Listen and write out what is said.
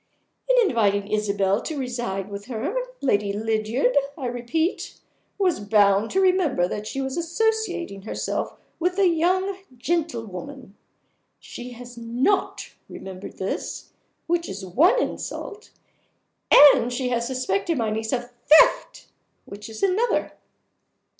In inviting Isabel to reside with her, Lady Lydiard, I repeat, was bound to remember that she was associating herself with a young gentlewoman. She has not remembered this, which is one insult; and she has suspected my niece of theft, which is another."